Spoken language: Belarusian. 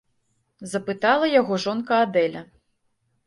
- запытала яго жонка Адэля.